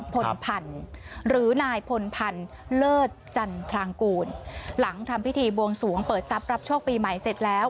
พลพันธ์หรือนายพลพันธ์เลิศจันทรางกูลหลังทำพิธีบวงสวงเปิดทรัพย์รับโชคปีใหม่เสร็จแล้ว